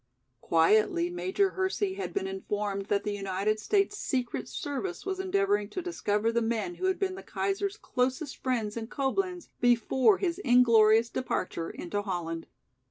Quietly Major Hersey had been informed that the United States Secret Service was endeavoring to discover the men who had been the Kaiser's closest friends in Coblenz before his inglorious departure into Holland.